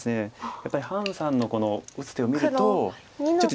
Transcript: やっぱり潘さんのこの打つ手を見るとちょっと。